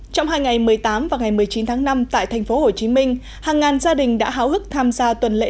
trong hai ngày một mươi tám và ngày một mươi chín tháng năm tại tp hcm hàng ngàn gia đình đã háo hức tham gia tuần lễ